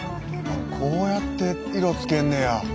こうやって色つけんねや。